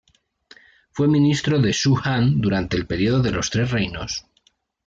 Fue ministro de Shu Han durante el período de los Tres Reinos.